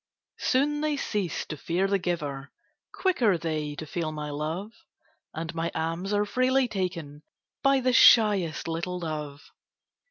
Soon they cease to fear the giver, Quick are they to feel my love, And my alms are freely taken By the shyest little dove.